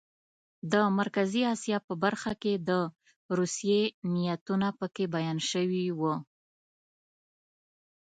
د مرکزي اسیا په برخه کې د روسیې نیتونه پکې بیان شوي وو.